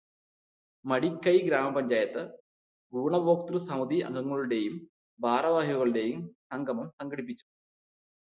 മടിക്കൈ ഗ്രാമ പഞ്ചായത്ത് ഗുണഭോക്തൃസമിതി അംഗങ്ങളുടെയും ഭാരവാഹികളുടെയും സംഗമം സംഘടിപ്പിച്ചു.